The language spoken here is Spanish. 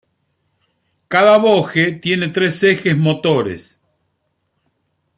Cada boje tiene tres ejes motores.